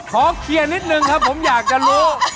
ขอเคลียร์นิดนึงครับผมอยากจะรู้